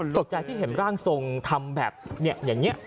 ตกใจที่เห็นร่างทรงทำแบบอย่างนี้